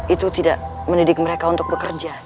itu tidak mendidik mereka untuk bekerja